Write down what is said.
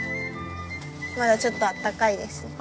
まだちょっとあったかいです。